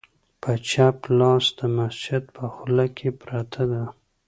د په چپ لاس د مسجد په خوله کې پرته ده،